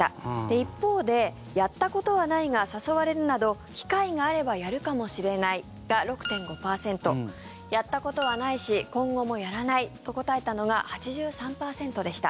一方で、やったことはないが誘われるなど機会があればやるかもしれないが６．５％やったことはないし今後もやらないと答えたのが８３％でした。